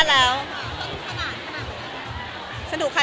สวัสดีครับ